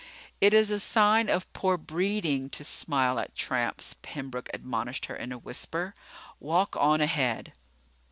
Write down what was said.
"It is a sign of poor breeding to smile at tramps," Pembroke admonished her in a whisper. "Walk on ahead."